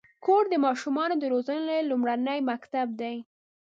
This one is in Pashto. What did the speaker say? کور د ماشومانو د روزنې لومړنی مکتب دی.